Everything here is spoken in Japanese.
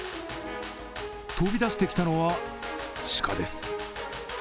飛び出してきたのは、鹿です。